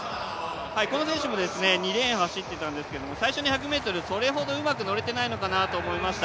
この選手も２レーン走っていたんですけれども、最初の１００ｍ、それほどうまく乗れていないのかなと思いました。